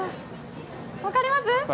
分かります？